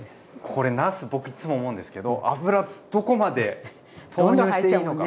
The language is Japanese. これなす僕いつも思うんですけど油どこまで投入していいのか。